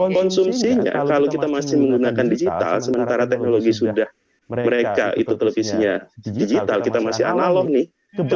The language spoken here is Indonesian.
konsumsinya kalau kita masih menggunakan digital sementara teknologi sudah mereka itu televisinya digital kita masih analog nih